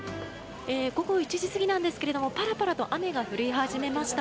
午後１時過ぎなんですけどパラパラと雨が降り始めました。